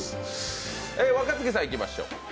若槻さん、いきましょう。